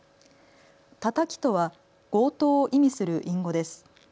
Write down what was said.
タタキとは強盗を意味する隠語です。